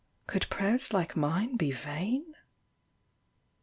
Could prayers like mine be vain